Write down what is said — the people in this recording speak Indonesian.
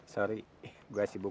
maaf gue sibuk